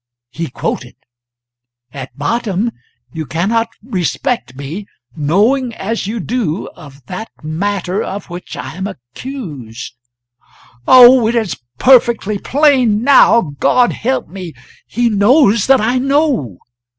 He quoted: "'At bottom you cannot respect me, knowing, as you do, of that matter of which I am accused' oh, it is perfectly plain, now, God help me! He knows that I know!